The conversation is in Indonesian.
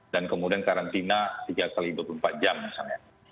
dan kemudian karantina tiga x dua puluh empat jam misalnya